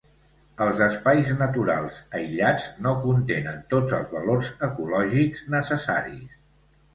Els espais naturals, aïllats, no contenen tots els valors ecològics necessaris.